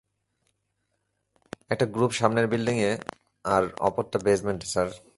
একটা গ্রুপ সামনের বিল্ডিংয়ে আর অপরটা বেসমেন্টে, স্যার।